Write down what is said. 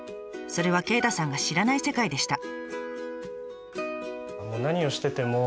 それは鯨太さんが知らない世界でした。